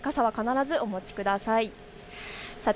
お帰りの際、傘は必ずお持ちください。